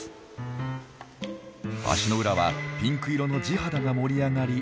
足の裏はピンク色の地肌が盛り上がり